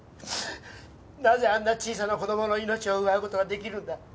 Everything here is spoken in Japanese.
なぜあんな小さな子供の命を奪う事ができるんだ？